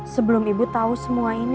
sebelum ibu tahu semua ini